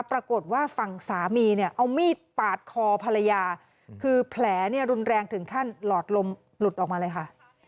ปรากฏว่าฝั่งสามีเนี่ยเอามีดปาดคอภรรยาคือแผลเนี่ยรุนแรงถึงขั้นหลอดลมหลุดออกมาเลยค่ะ